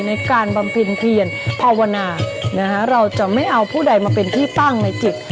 บำเพ็ญเพียรภาวนาเราจะไม่เอาผู้ใดมาเป็นที่ตั้งในจิต